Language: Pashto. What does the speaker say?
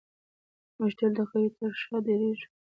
موږ تل د قوي تر شا درېږو.